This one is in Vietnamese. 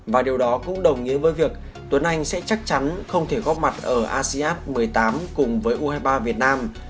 và điều đó cũng đồng nghĩa với việc tuấn anh sẽ chắc chắn không thể góp mặt ở asean một mươi tám cùng với u hai mươi ba việt nam